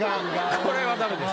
これはダメですか。